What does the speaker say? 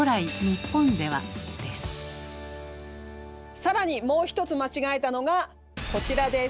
更にもう一つ間違えたのがこちらです。